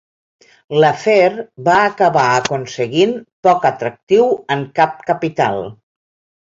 L'afer va acabar aconseguint poc atractiu en cap capital.